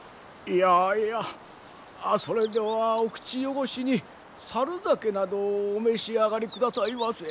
いやいやそれではお口汚しに猿酒などお召し上がりくださいませ。